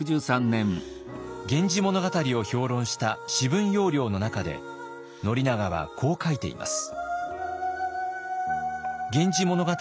「源氏物語」を評論した「紫文要領」の中で宣長はこう書いています。